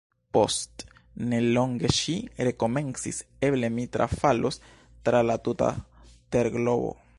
Post ne longe ŝi rekomencis: "Eble mi trafalos tra la tuta terglobo! »